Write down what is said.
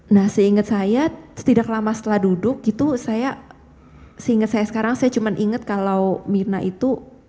nah seinget saya tidak lama setelah duduk gitu saya seinget saya sekarang saya cuma inget kalau mirna itu